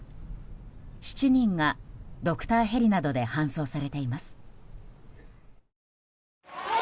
７人がドクターヘリなどで搬送されています。